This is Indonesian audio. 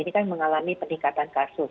ini kan mengalami peningkatan kasus